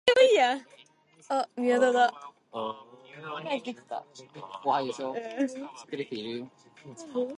It also provides a range of part-time, work-based, community-based, and distance-learning courses.